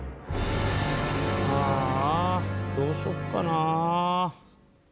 ああどうしよっかな。